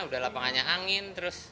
udah lapangannya angin terus